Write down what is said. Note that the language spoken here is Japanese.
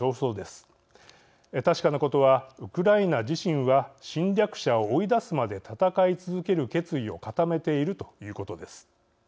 確かなことはウクライナ自身は侵略者を追い出すまで戦い続ける決意を固めているということです。